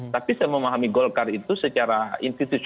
tapi saya memahami golkar itu secara institusi